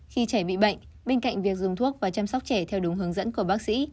khi trẻ bị bệnh bên cạnh việc dùng thuốc và chăm sóc trẻ theo đúng hướng dẫn của bác sĩ